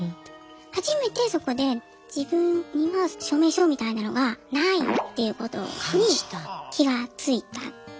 初めてそこで自分には証明書みたいなのがないっていうことに気が付いた。